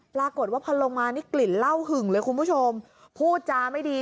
ปรากฏว่าพอลงมานี่กลิ่นเหล้าหึงเลยคุณผู้ชมพูดจาไม่ดี